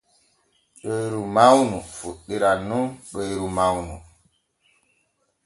Ɗoyru mawnu fuɗɗiran nun ɗoyru mawnu.